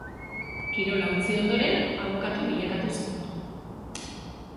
Kirola utzi ondoren abokatu bilakatu zen.